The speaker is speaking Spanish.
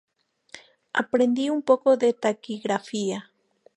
Aprendí un poco de taquigrafía.